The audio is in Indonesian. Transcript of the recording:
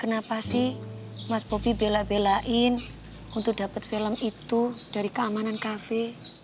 kenapa sih mas bobi bela belain untuk dapat film itu dari keamanan kafe